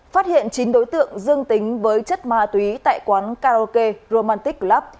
phát hiện chín đối tượng dương tính với chất ma túy tại quán karaoke romantic club